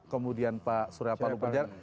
kemudian pak suryapal lupajar